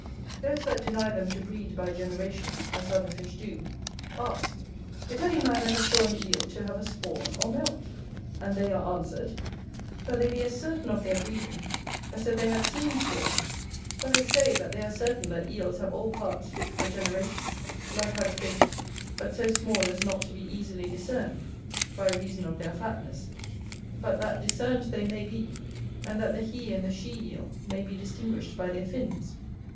Those that deny them to breed by generation, as other fish do, ask, If any man ever saw an Eel to have a spawn or melt? And they are answered, That they may be as certain of their breeding as if they had seen spawn; for they say, that they are certain that Eels have all parts fit for generation, like other fish, but so small as not to be easily discerned, by reason of their fatness; but that discerned they may be; and that the He and the She Eel may be distinguished by their fins.